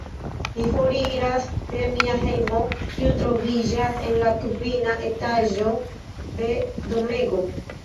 Mi foriras de mia hejmo, kiu troviĝas en la kvina etaĝo de domego.